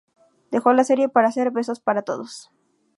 Dejó la serie para hacer "Besos para todos".